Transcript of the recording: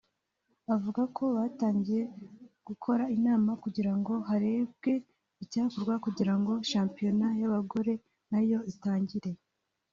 avuga ko batangiye gukora inama kugira ngo harebwe icyakorwa kugira ngo shampiyona y’abagorenayo itangire